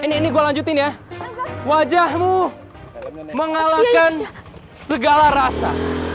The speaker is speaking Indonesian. ini gue lanjutin ya wajahmu mengalahkan segala rasa